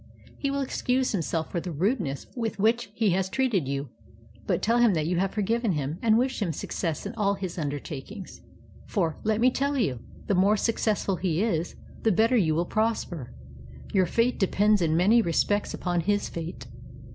He will excuse himself for the rudeness with which he treated you, but teU him that you have forgiven him and wish him success in all his undertakings. For, let me teU you, the more successful he is, the better you will pros per; your fate depends in many respects upon his fate.